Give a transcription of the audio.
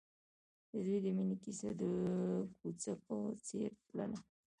د دوی د مینې کیسه د کوڅه په څېر تلله.